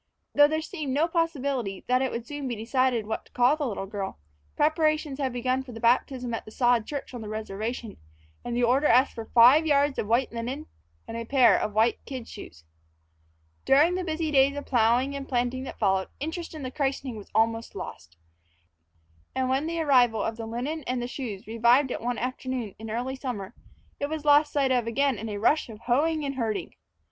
Though there seemed no possibility that it would soon be decided what to call the little girl, preparations had begun for the baptism at the sod church on the reservation, and the order asked for five yards of fine linen and a pair of white kid shoes. During the busy days of plowing and planting that followed, interest in the christening was almost lost. And when the arrival of the linen and the shoes revived it one afternoon in early summer, it was lost sight of again in a rush of hoeing and herding.